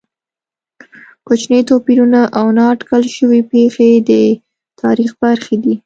کوچني توپیرونه او نا اټکل شوې پېښې د تاریخ برخې دي.